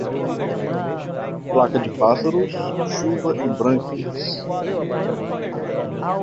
Placa de pássaros, chuva em brânquias.